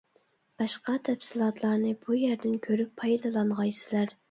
باشقا تەپسىلاتلارنى بۇ يەردىن كۆرۈپ پايدىلانغايسىلەر!